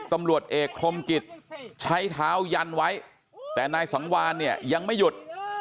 ๑๐ตำรวจเอกคมกฤษใช้เท้ายันไว้แต่นายสังวานยังไม่หยุด